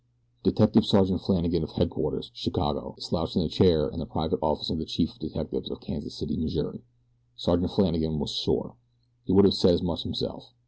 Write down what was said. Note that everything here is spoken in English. Detective Sergeant Flannagan of Headquarters, Chicago, slouched in a chair in the private office of the chief of detectives of Kansas City, Missouri. Sergeant Flannagan was sore. He would have said as much himself.